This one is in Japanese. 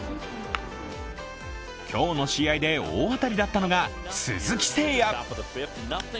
今日の試合で大当たりだったのが鈴木誠也。